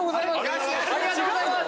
ありがとうございます。